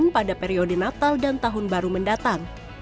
pada periode natal dan tahun baru mendatang